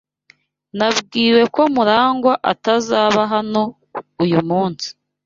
Nabwiwe ko Murangwa atazaba hano uyu munsi.